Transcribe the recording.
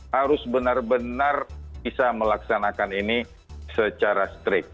harus benar benar bisa melaksanakan ini secara strict